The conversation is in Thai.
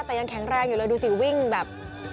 แต่ยังแข็งแรงอยู่เลยดูสิวิ่งแบบ